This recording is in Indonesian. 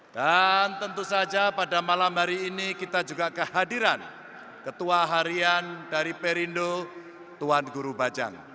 dan tentu saja pada malam hari ini kita juga kehadiran ketua harian dari perindo tuan guru bajang